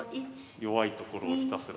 弱いところをひたすら。